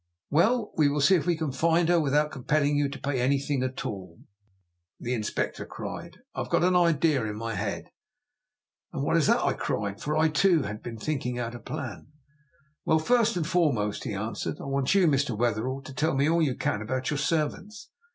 "Well, we'll see if we can find her without compelling you to pay anything at all," the Inspector cried. "I've got an idea in my head." "And what is that?" I cried; for I, too, had been thinking out a plan. "Well, first and foremost," he answered, "I want you, Mr. Wetherell, to tell me all you can about your servants.